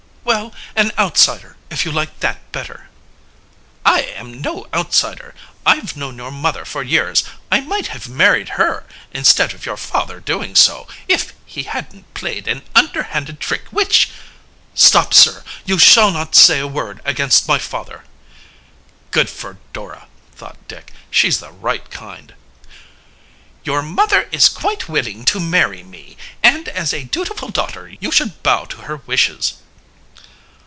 "Well, an outsider if you like that better." "I am no outsider. I've known your mother for years. I might have married her, instead of your father doing so, if he hadn't played an underhanded trick which " "Stop, Sir. You shall not say a word against my father." "Good for Dora!" thought Dick. "She's the right kind." "Your mother is quite willing to marry me, and as a dutiful daughter you should bow to her wishes."